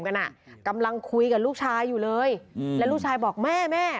กันอ่ะกำลังคุยกับลูกชายอยู่เลยอืมแล้วลูกชายบอกแม่แม่